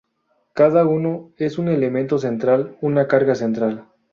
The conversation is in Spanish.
Cada uno es un elemento central, una carga central.